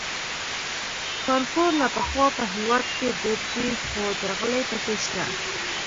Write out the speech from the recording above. کانکور له پخوا په هېواد کې دود دی خو درغلۍ پکې شته